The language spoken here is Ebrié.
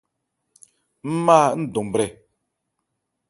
Ń ma ńdɔn-brɛ.